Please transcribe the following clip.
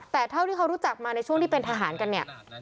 แต่เท่าที่เขารู้จักมาในช่วงที่เป็นทหารกันเนี่ย